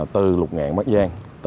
từ lục ngạn bắc giang